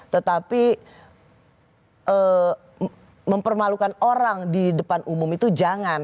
tetapi mempermalukan orang di depan umum itu jangan